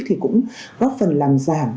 thì cũng góp phần làm giảm